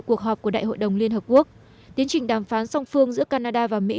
cuộc họp của đại hội đồng liên hợp quốc tiến trình đàm phán song phương giữa canada và mỹ